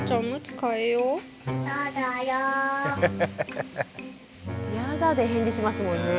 「ヤダ」で返事しますもんね。